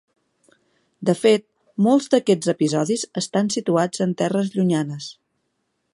De fet, molts d'aquests episodis estan situats en terres llunyanes.